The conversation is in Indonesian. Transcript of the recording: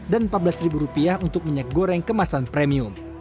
dan rp empat belas untuk minyak goreng kemasan premium